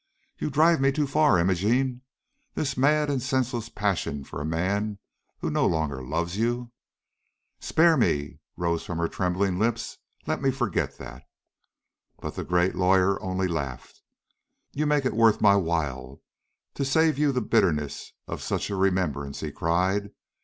You drive me too far, Imogene. This mad and senseless passion for a man who no longer loves you " "Spare me!" rose from her trembling lips. "Let me forget that." But the great lawyer only laughed. "You make it worth my while to save you the bitterness of such a remembrance," he cried.